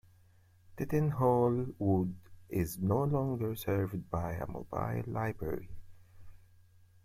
Tettenhall Wood is no longer served by a mobile library.